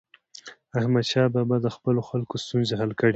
احمدشاه بابا د خپلو خلکو ستونزې حل کړي.